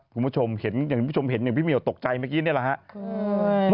คุณผู้ชมเห็นอย่างพี่เมียวตกใจเมื่อกี้เนี่ยแหละ